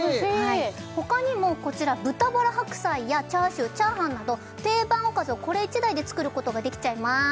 ほかにもこちら豚バラ白菜やチャーシューチャーハンなど定番おかずをこれ１台で作ることができちゃいます